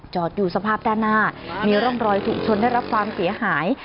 อยู่สภาพด้านหน้ามีร่องรอยถูกชนได้รับความเสียหาย